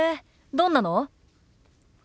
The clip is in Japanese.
どんなの？